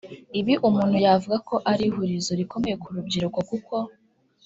Ibi umuntu yavuga ko ari ihurizo rikomeye ku rubyiruko kuko